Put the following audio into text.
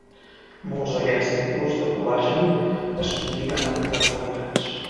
Molts d'aquests tipus de col·lagen es combinen amb carbohidrats.